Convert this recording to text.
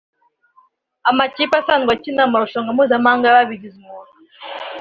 Amakipe asanzwe akina amarushanwa mpuzamahanga (yababigize umwuga)